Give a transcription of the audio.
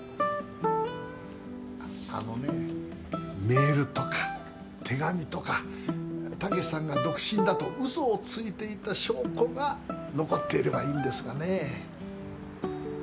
あのねメールとか手紙とか武さんが独身だと嘘をついていた証拠が残っていればいいんですがね。